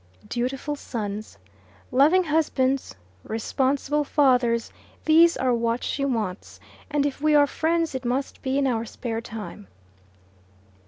Dutiful sons, loving husbands, responsible fathers these are what she wants, and if we are friends it must be in our spare time.